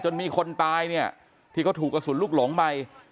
มีคนตายเนี่ยที่เขาถูกกระสุนลูกหลงไป